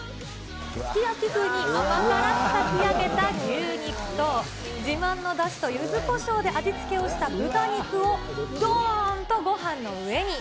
すき焼き風に甘辛く炊き上げた牛肉と、自慢のだしとゆずこしょうで味付けをした豚肉を、どーんとごはんの上に。